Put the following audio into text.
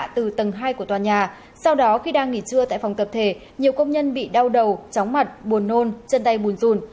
từ tầng hai của tòa nhà sau đó khi đang nghỉ trưa tại phòng tập thể nhiều công nhân bị đau đầu chóng mặt buồn nôn chân tay bùn rùn